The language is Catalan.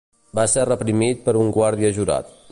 Va ser reprimit per un guàrdia jurat.